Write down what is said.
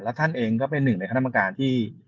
แล้วท่านเองก็เป็นหนึ่งในคำนำการที่